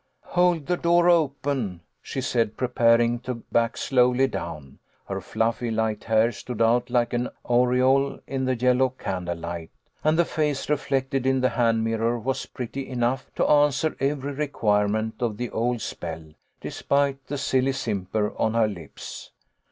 " Hold the door open," she said, preparing to back slowly down. Her fluffy light hair stood out SHE BEGAN THE OLD RHYME. A HALLOWE'EN PARTY. 1 59 like an aureole in the yellow candle light, and the face reflected in the hand mirror was pretty enough to answer every requirement of the old spell, despite the silly simper on her lips.